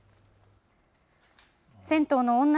銭湯の女